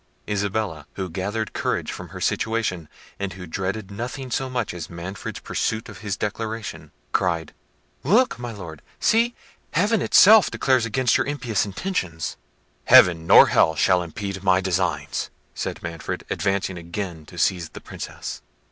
Isabella, who gathered courage from her situation, and who dreaded nothing so much as Manfred's pursuit of his declaration, cried— "Look, my Lord! see, Heaven itself declares against your impious intentions!" "Heaven nor Hell shall impede my designs," said Manfred, advancing again to seize the Princess.